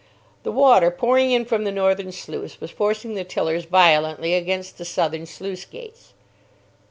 The water pouring in from the northern sluice was forcing the tillers violently against the southern sluice gates.